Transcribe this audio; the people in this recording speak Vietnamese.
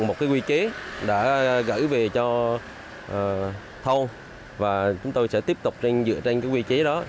một cái quy chế đã gửi về cho thâu và chúng tôi sẽ tiếp tục dựa trên cái quy chế đó